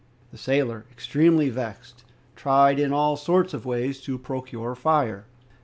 The sailor, extremely vexed, tried in all sorts of ways to procure fire.